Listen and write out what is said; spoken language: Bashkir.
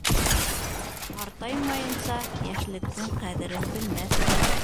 Ҡартаймайынса йәшлектең ҡәҙерен белмәҫһең.